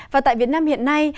và tại việt nam hiện nay